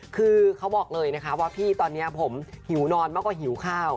คือเขาบอกเลยนะคะว่าพี่ตอนนี้ผมหิวนอนมากกว่าหิวข้าว